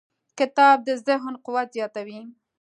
کتاب د ذهن قوت زیاتوي.